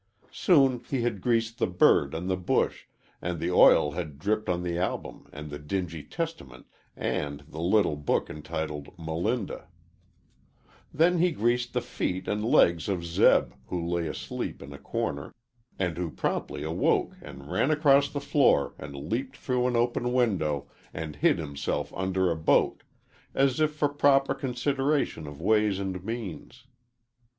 Soon he had greased the bird and the bush, and the oil had dripped on the album and the dingy Testament and the little book entitled Melinda. Then he greased the feet and legs of Zeb, who lay asleep in a corner, and who promptly awoke and ran across the floor and leaped through an open window, and hid himself under a boat, as if for proper consideration of ways and means.